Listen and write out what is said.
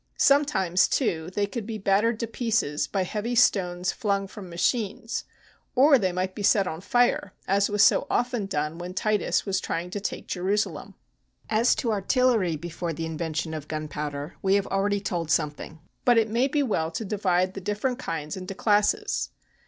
Sometimes, too, they could be battered to pieces by heavy stones flung from machines ; or they might be set on fire — as was so often done when Titus was trying to take Jerusalem. As to artillery before the invention of gunpow der, we have already told something. But it may be well to divide the different kinds into classes.